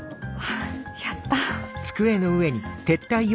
やった。